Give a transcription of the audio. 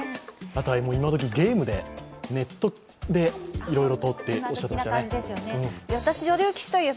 今どきゲームで、ネットでいろいろとおっしゃっていましたね。